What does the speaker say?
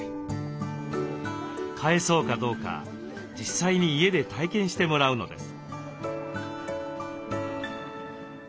飼えそうかどうか実際に家で体験してもらうのです。